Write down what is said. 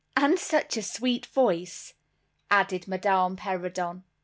"And such a sweet voice!" added Madame Perrodon.